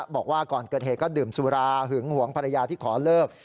บอกว่าก่อนเกิดเหตุก็ดื่มสุราหึงหวงภรรยาที่ขอเลิก